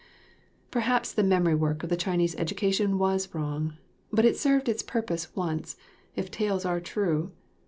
Perhaps the memory work of the Chinese education was wrong; but it served its purpose once, if tales are true.